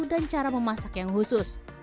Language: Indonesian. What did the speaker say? dan cara memasak yang khusus